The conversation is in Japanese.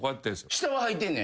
下ははいてんねや。